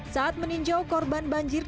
saat meninjau korban banjir